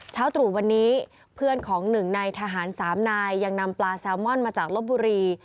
ตรู่วันนี้เพื่อนของหนึ่งในทหาร๓นายยังนำปลาแซลมอนมาจากลบบุรี